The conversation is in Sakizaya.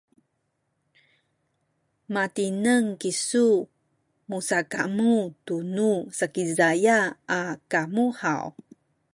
matineng kisu musakamu tunu Sakizaya a kamu haw?